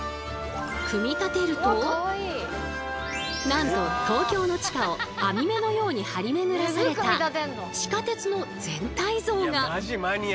なんと東京の地下を編み目のように張り巡らされた地下鉄の全体像が！